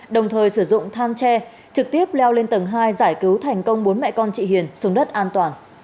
đồng thời sử dụng than tre trực tiếp leo lên tầng hai giải cứu thành công bốn mẹ con chị hiền xuống đất an toàn